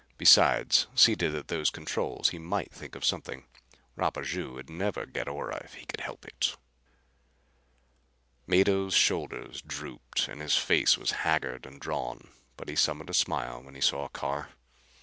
Besides, seated at those controls, he might think of something. Rapaju'd never get Ora if he could help it! Mado's shoulders drooped and his face was haggard and drawn, but he summoned a smile when he saw Carr.